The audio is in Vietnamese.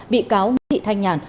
bị cáo nguyễn thị thanh nhàn